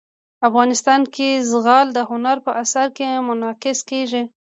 افغانستان کې زغال د هنر په اثار کې منعکس کېږي.